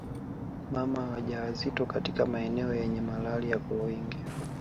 Mama wajawazito katika maeneo yenye malaria kwa wingi